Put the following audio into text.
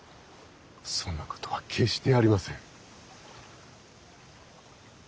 そんなことは決してありません。